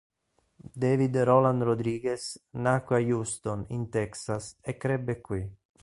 David Roland Rodriguez nacque a Houston, in Texas, e crebbe qui.